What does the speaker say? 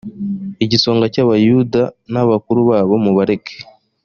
igisonga cy abayuda n abakuru babo mubareke